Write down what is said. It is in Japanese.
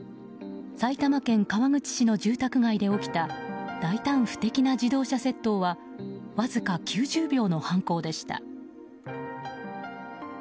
埼玉県川口市の住宅街で起きた大胆不敵な自動車窃盗はわずか９０秒の犯行でした。